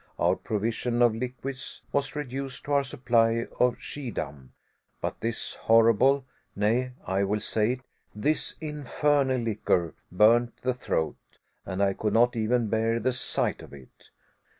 Our provision of liquids was reduced to our supply of Schiedam; but this horrible nay, I will say it this infernal liquor burnt the throat, and I could not even bear the sight of it.